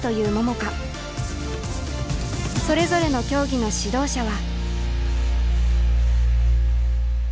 それぞれの競技の指導者は。